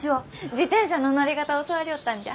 自転車の乗り方教わりょうったんじゃ。